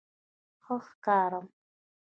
_ښه ښکارم؟